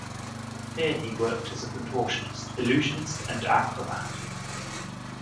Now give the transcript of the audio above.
Here he worked as a contortionist, illusionist and acrobat.